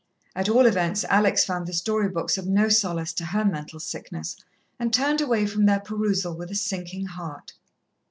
At all events, Alex found the story books of no solace to her mental sickness, and turned away from their perusal with a sinking heart.